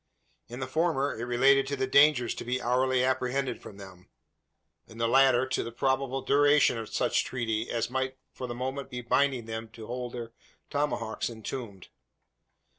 In the former it related to the dangers to be hourly apprehended from them; in the latter, to the probable duration of such treaty as might for the moment be binding them to hold their tomahawks entombed.